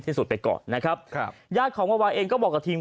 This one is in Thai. ที่สุดไปก่อนนะครับครับญาติของวาวาเองก็บอกกับทีม